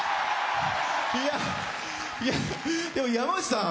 いやでも山内さん